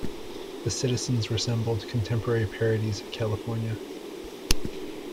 The citizens resembled contemporary parodies of California.